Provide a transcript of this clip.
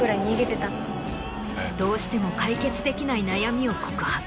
どうしても解決できない悩みを告白。